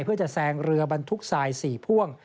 เพื่อจะแซงเรือบรรทุกทราย๔พ่วง